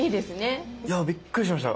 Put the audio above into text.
いやびっくりしました。